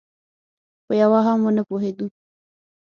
په یوه هم ونه پوهېدو.